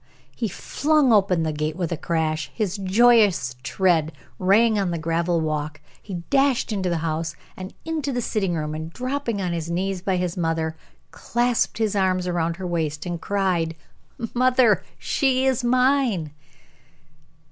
He flung open the gate with a crash; his joyous tread rang on the gravel walk; he dashed into the house, and into the sitting room, and dropping on his knees by his mother, clasped his arms about her waist and cried: "Mother! she is mine!"